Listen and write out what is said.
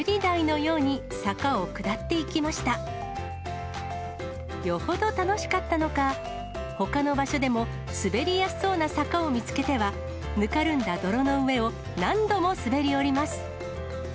よほど楽しかったのか、ほかの場所でも滑りやすそうな坂を見つけては、ぬかるんだ泥の上を何度も滑り降ります。